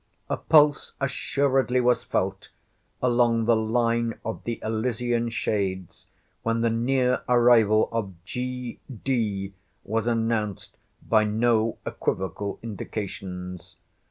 A pulse assuredly was felt along the line of the Elysian shades, when the near arrival of G.D. was announced by no equivocal indications.